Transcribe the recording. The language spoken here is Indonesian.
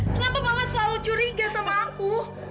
kenapa kamu selalu curiga sama aku